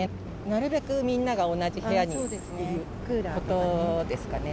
なるべくみんなが同じ部屋にいることですかね。